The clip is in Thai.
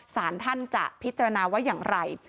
สารท่านจะพิจารณาว่าอย่างไร